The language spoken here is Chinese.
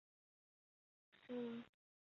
拉沙佩勒纳夫。